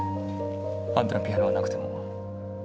あんたのピアノがなくても。